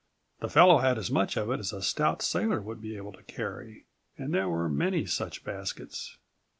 The fellow had as much of it as a stout sailor would be able to carry. And there were many such baskets.